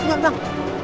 iya liat dong